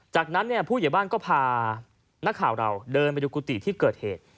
จากนั้นเนี่ยผู้ใหญ่บ้านก็พานักข่าวเราเดินไปดูกุฏิที่เกิดเหตุ